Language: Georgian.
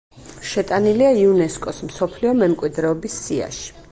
შეტანილია იუნესკოს მსოფლიო მემკვიდრეობის სიაში.